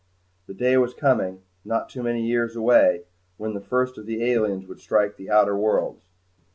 The day was coming, not too many years away, when the first of the aliens would strike the Outer worlds.